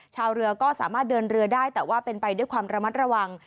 ชาวเรือก็สามารถเดินเรือได้แต่ว่าเป็นไปด้วยความระมัดระวัง